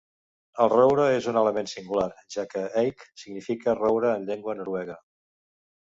El roure és un element singular, ja que "Eik" significa roure en llengua noruega.